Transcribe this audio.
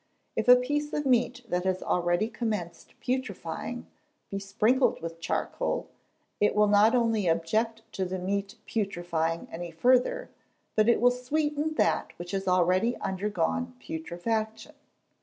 If a piece of meat that has already commenced putrifying, be sprinkled with charcoal, it will not only object to the meat putrifying any further, but it will sweeten that which has already undergone putrefaction.